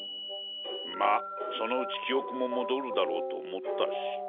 まそのうち記憶も戻るだろうと思ったし。